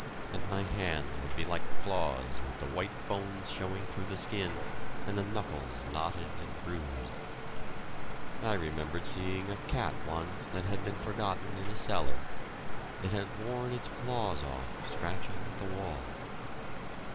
and my hands would be like claws, with the white bones showing through the skin, and the knuckles knotted and bruised. I remembered seeing a cat once that had been forgotten in a cellar... It had worn its claws off, scratching at the wall.